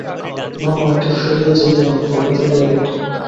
না না, ওকে ফেলিয়া যাইয়ো না–ওকে তুলিয়া লও।